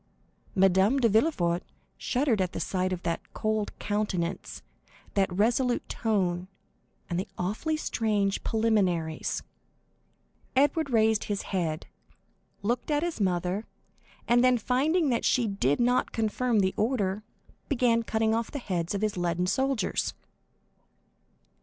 Madame de Villefort shuddered at the sight of that cold countenance, that resolute tone, and the awfully strange preliminaries. Edward raised his head, looked at his mother, and then, finding that she did not confirm the order, began cutting off the heads of his leaden soldiers.